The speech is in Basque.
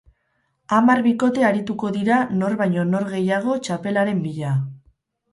Hamar bikote arituko dira nor baino nor gehiago, txapelaren bila.